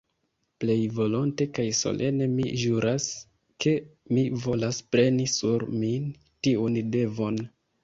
Plej volonte kaj solene mi ĵuras, ke mi volas preni sur min tiun devon.